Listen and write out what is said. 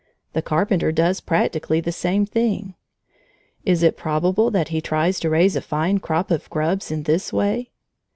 The Carpenter does practically the same thing. Is it probable that he tries to raise a fine crop of grubs in this way?